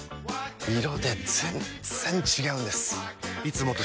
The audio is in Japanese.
色で全然違うんです！